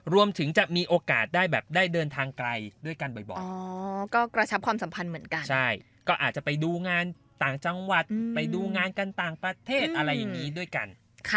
รวมถึงจะมีโอกาสได้แบบได้เดินทางไกลด้วยกันบ่อยก็กระชับความสัมพันธ์เหมือนกันใช่ก็อาจจะไปดูงานต่างจังหวัดไปดูงานกันต่างประเทศอะไรอย่างนี้ด้วยกัน